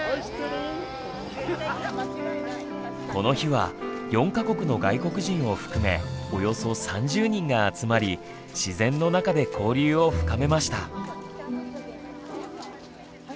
この日は４か国の外国人を含めおよそ３０人が集まり自然の中で交流を深めました。